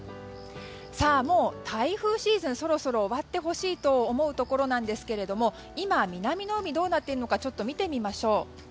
もう台風シーズンそろそろ終わってほしいと思うところですが今、南の海どうなっているのか見てみましょう。